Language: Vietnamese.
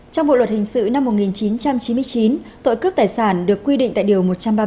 trong bộ luật hình sự năm một nghìn chín trăm chín mươi chín tội cướp tài sản được quy định tại điều một trăm ba mươi ba